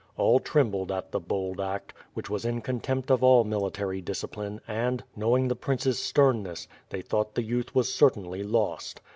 All trembled at the bold act, which was in contempt of all military discipline and, knowing the Prince's sternness, they thought the youth was certainly lost.